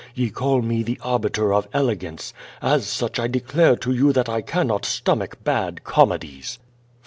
Ye call me the Arbiter of Elegance. As such I declare to you that I cannot stomach bad comedies.